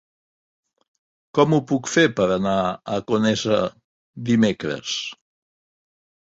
Com ho puc fer per anar a Conesa dimecres?